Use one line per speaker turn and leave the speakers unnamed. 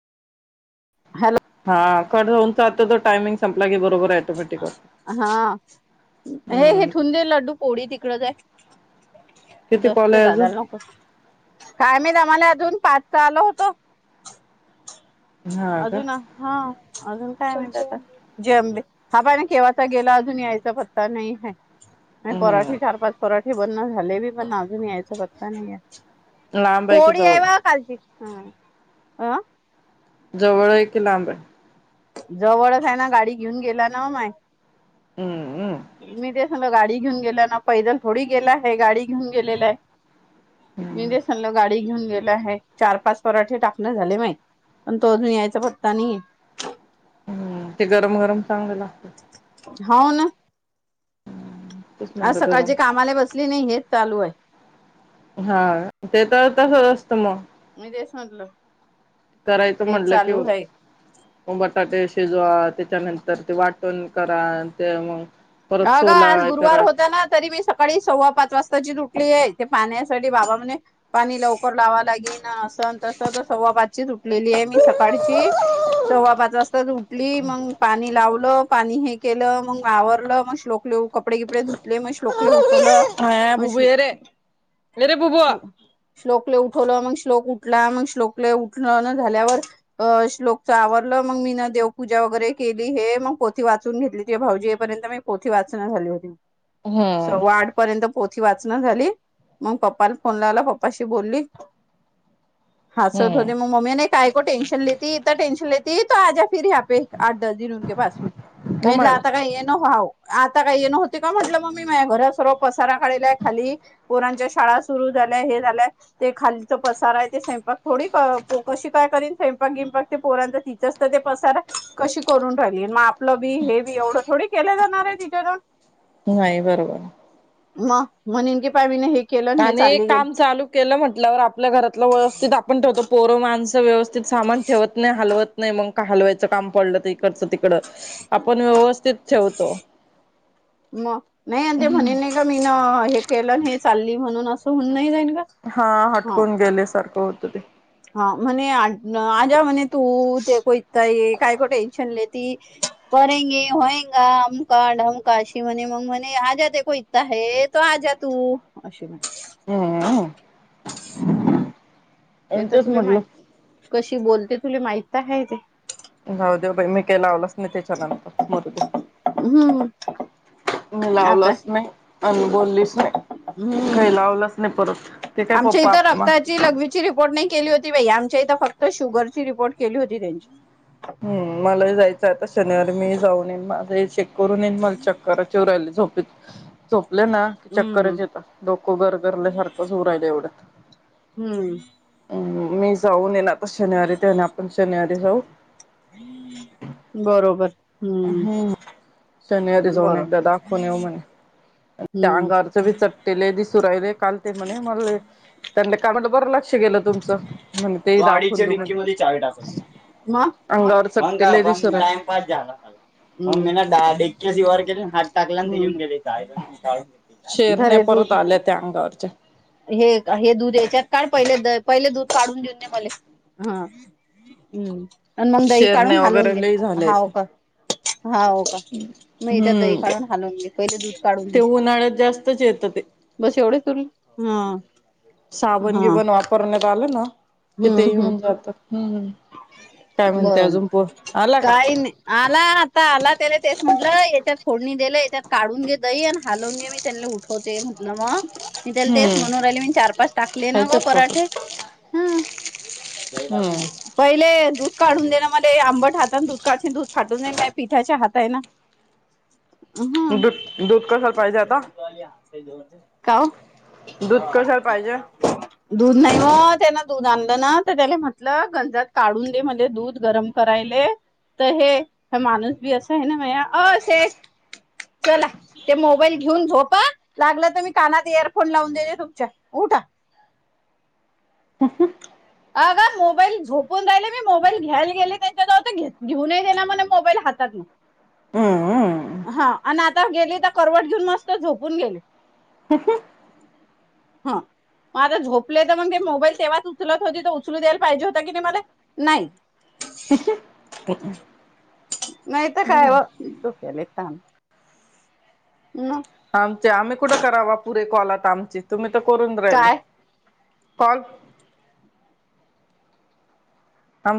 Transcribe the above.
Hello.
हा क होन चााततो टामिंग संपला की बरोबर टोमॅटिक वात
हा हे हे ठुंदे लड्डू पोळी तिकडच आहे.
किती कॉल
दसते
आहे
दादा
अजून
लो काय महीत आम्हाला अजून पाचच सहाला होतो.
हा का
अजून हा अजून काय माहित आता. जय अंबे हा पहि ना केव्हाचा गेला अजून यायचा पत्ता नाही ह. आणि
हम्म
पराठी चार पाच पराठीे बनण झाले बी पण अजून यायचं पत्ता नाही.
लांब आहे की
कोडी
जवळ
आहेवा कालची ह अह
जवळ आहे की लांब आहे.
जवळच आहे ना गाडी घेऊन गेला ना ओ माय.
हम्म-हम्म
मी ते संग गाडी घेऊन गेला ना पैदल थोडी गेला आहे गाडी घेऊन गेलेला आहे. मी
हम्म
ते म्हणलं गाडी घेऊन गेलो. चार पाच पराठे टाकण झाले माहि पण तो अजून यायचा पत्ता नाही.
हम्म ते गरम-गरम चांगला लागतं.
हाव ना.
तेच
आज
म्हणलं
सकाळचे
गरम
कामाला बसली नाही हेच चालू आहे.
हा ते तर तस असतं मग.
मी तेच म्हटलं.
करायचं
हेच
म्हणलं कि
चालू आहे
मग बटाटे शिजवा त्याच्यानंतर ते वाटण करा ते मग. परत
अ ग
सोला
आज
हे
गुरुवार
करा
होता ना तरी मी सकाळी सव्वा पाच वाजताची उठलेली आहे ते पाहण्यासाठी बाबा पाणी लवकर लावा लागे ना असं तस तर सव्वा पाचची ऊठलेली आहे मी सकाळची. सव्वा पाच वाजता उठली मग पाणी लावलं पाणी हे केलं मग आवरलं. म शश्लोकले कपडे कपडे धुतले म शश्लोकले उठवलं.
हा
मग
भू भू
श्लोक
ये रे येरे भू भू.
श्लोकले उठवलं मग श्लोक उठला मग श्लोकले उठल झाल्यावर अ श्लोकच आवरलं मग मी ना देवपूजा वगैरे केली हे मग पोथी वाचून घेतली तु भाऊजी येपर्यंत मी पोथी वाचना झाली होती
हम्म
सव्वा आठ पर्यंत पोथ वाचन झाली मग पप्पाला फोन लावला पप्पाशी बोलली हासत होते मग.
हम्म
मम्मीने काय को टेंशनती लेती इत्ता टेंशन लेती तो आजा फि यहाँ पे आठ दस दिन उनके के पास मे. मी म्हटलं
कमाय
आता काय येणं हव आता काय येणं होते का म्हटलं मम्मी माझ्या घरात सर्व पसारा कालाय खाली पोरांच्या शाळा सुरू झाल्या हे झालंय ते खालीचं पसार आहे ते स्वयंपाक थोडी कशी काय करीन स्वयंपाक गिंपाक ते पोरांच तिच ते पसार कशी करून राहिली मग आपलं बी हे बी एवढं थोडे केल्या जाणार आहे. [unintelligible]
नाही बरोबर.
मग म्ह की पाय मीन हे केलं हे
आणि
चालली गेली
काम चालू केलं म्हटल्यावर आपल्या घरातलं व्यवस्थित आपण ठेवतो पोरं माणसं व्यवस्थित सामान ठेवत नाही हलवत नाही मग का हलवायचं काम पडलं त इकडच तिकड आपण व्यवस्थित ठेवतो.
मग नाही आणि ते म्हणेल नाही का मी ना हे केलं हे चालली म्हणून असं होऊन नाही राहिलं.
हा हटकून गेले सारखं होत ते.
हा म्हणे आजा म्हणे तू ते को इत्ता ऐ काय को टेन्शन लेति. करेंगे होयंगा अमका ढमका अशी म्हने मग म्हणे आजा ते को आहे तो आजा तू. अशी म्हणे.
हम, अं. [inaudible]
ते तर तुले माह. कशी बोलते, तुले माहित आहे ते.
जाऊ देऊ बाई. मी काही लावलंच नाही, त्याच्यानंतर. मरू दे.
हम. [inaudible]
मी लावलंच नाही. अन् बोललीच नाही.
हम्म
काही लावलंच नाही परत. ते काय
आमच्या इथं
पप्पा
रक्ता लघवीची, रिपोर्ट नाही केली होती बाई. आमच्या इथं फक्त, शुगरची रिपोर्ट केली होती, त्यांची.
हम्म, मलाही जायचंय आता शनिवारी. मीही जाऊन येईन. माझंही चेक करून येईन. मला चक्कर येऊ राहिली झोपेत. झोपले ना. की,
हम्म
चक्करच येत. डोकं गरगरल्या सारखंच होऊ राहिलं एवढ्यात.
हम्म.
हम्, मी जाऊन येनार, आता शनिवारी. ते आणि आपण शनिवारी जाऊ.
[inaudible] बरोबर.
हम्म. शनिवारी जाऊन
बरो
एकदा दाखवून येऊ म्हणे. त्या
हम्म
अंगार बी चट्टे लय दिसू राहिले. काल ते म्हणे, मला लई त्यांली काय म्हणलं, बरं लक्ष गेलं. तुमचं. म्हण ते दाखवून देऊ म्हणे. अंगावर चट्टे लय दिसू राहिले.
बास झालं आता. मम्मी ने डाड एकया जीवावर केले. हात टाकला न ऊन गेले. जा [unintelligible]
शेरण्या परत आल्या त्या, अंगावरच्या.
हे, हे दूध याच्यात काढ. पहिले द पहिले दूध काढून देऊन दे मले. हा, हम्. अन् मंग दही काढून
शेरण्या
हालवून
वगैरे
घे.
लय झाल्या
हाव
आहेत
का. हा, हो का? म त्या दही
हम्म
काढून हालून दे. पहिले दूध काढून दे.
ते उन्हाळ्यात जास्तच येतं ते
बस, एवढेच उरले? हा.
साबण-
हा
गिबण वापरण्यात आलं ना. कि ते
हम्म
ही
हम्म
होऊन जात. हम्. काय म्हणते,
बरोबर
अजून पोर? आला का?
काही नाही आला आता आला. त्याला तेच म्हटलं. याच्यात फोडणी दिलं याच्यात काढून घे, दई आणि हलवून घे. मी त्यानला उठवते म्हटलं, मग. मी त्याला तेच
हम्म
म्हणु राहिले. मी चार- पाच टाकले ना
खायचं
गं
का
पराठे.
पापड?
जाई टाकुन दे.
हम्म
पहिले, दूध काढून देण मले. आंबट हातानं दूध काढशील, दूध फाटून जाईल. काय पिठाचे हातय ना. ह.
दूध
[unintelligible]
दूध कशाला पाहिजे आता
का, ओ?
दूध कशाला पाहिजे
[unintelligible] दूध नाही ओ. त्यांना दूध आणलं ना, तर त्याले म्हटलं गंजात काढून दे, म्हणले. दूध गरम करायले. तर हे, ह माणूस बी असय ना, म्यया. ओ शेट, [inaudible] चला. ते मोबाईल घेऊन झोपा. लागलं तर मी कानात एयरफोन लावून देेते तुमच्या. उठा.
[unintelligible]
अ गा मोबाईल, झोपून राहिले मी. मोबाईल घ्यायला गेले त्याच्यावळ. घेत- घेऊ नाही देणा म्हणे, मोबाईल हातात न.
हम्म
हा, अन् आता गेली तर, करवट घेऊन मस्त झोपून गेले.
[unintelligible]
ह. मग आता झोपले तर, मग ते मोबाईल तेव्हाच उचलत होते तर, उचलू द्यायला पाहिजे होता, कि नाही मला? नाही.
[unintelligible]
नाही त काय ओ? डोक्याले तान. नाही
आमचे आम्ही कुठं करावा पुरे कॉल आता आमची तुम्ही तर करून राहिल
काय
कॉल